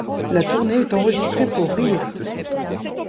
La tournée est enregistrée pour rire.